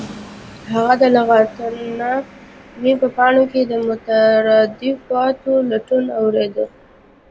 هغه د لغتنامې په پاڼو کې د مترادفاتو لټون اوریده